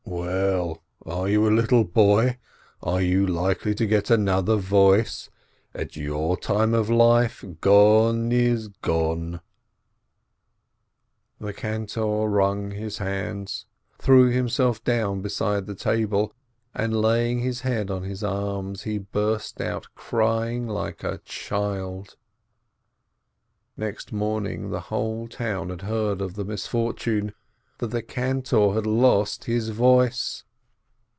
"Well, are you a little boy? Are you likely to get another voice ? At your time of life, gone is gone !" The cantor wrung his hands, threw himself down beside the table, and, laying his head on his arms, he burst out crying like a child. Next morning the whole town had heard of the mis fortune— that the cantor had lost his voice.